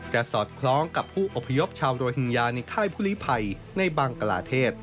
สอดคล้องกับผู้อพยพชาวโรฮิงญาในค่ายผู้ลิภัยในบังกลาเทศ